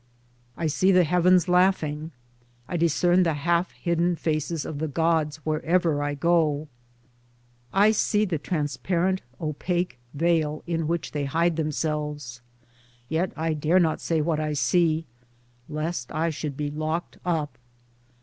I see the heavens laughing, I discern the half hidden faces of the gods wherever I go, I see the transparent opaque veil in which they hide themselves; yet I dare not say what I see — lest I should be locked up